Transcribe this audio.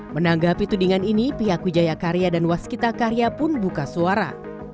menanggapi tudingan ini pihak wijaya karya dan waskita karya pun buka suara